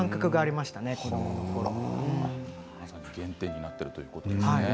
まさに原点になっているということですね。